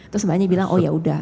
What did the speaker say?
terus mbaknya bilang oh yaudah